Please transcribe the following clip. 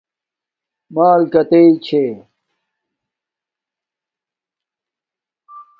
مݳل کَتݵئ چھݺ؟